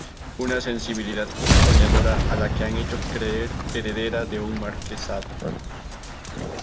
Una sensibilidad soñadora a la que han hecho creer heredera de un marquesado.